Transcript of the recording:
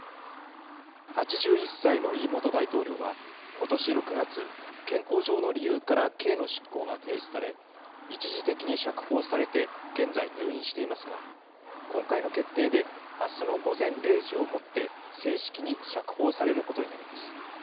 ８１歳のイ元大統領はことし６月、健康上の理由から刑の執行が停止され一時的に釈放されて現在、入院していますが、今回の決定であすの午前０時をもって正式に釈放されることになります。